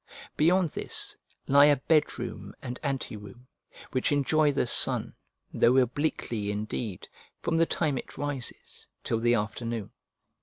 Beyond this lie a bed room and ante room, which enjoy the sun, though obliquely indeed, from the time it rises, till the afternoon.